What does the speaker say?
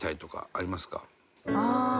ああ。